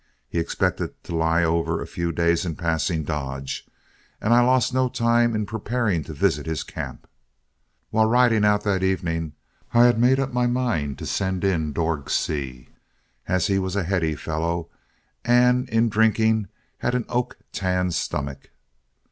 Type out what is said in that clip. He expected to lie over a few days in passing Dodge, and I lost no time in preparing to visit his camp. While riding out that evening, I had made up my mind to send in Dorg Seay, as he was a heady fellow, and in drinking had an oak tan stomach.